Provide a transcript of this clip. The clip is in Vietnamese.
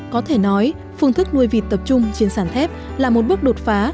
có thể nói phương thức nuôi vịt tập trung trên sàn thép là một bước đột phá